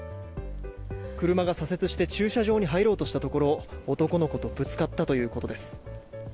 車が左折して駐車場に入ろうとしたところを男の子とぶつかったということです。